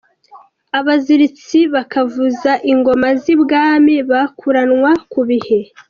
Abaziritsi:Bakavuza ingoma z’ I bwami bakuranwa ku bihe.